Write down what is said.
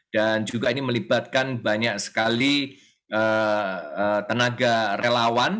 dan juga ini melibatkan banyak sekali tenaga relawan